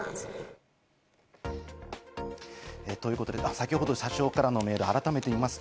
先ほど社長からのメール、改めて見ます。